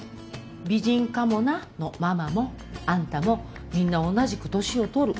「美人かもな」のママもあんたもみんな同じく年を取る。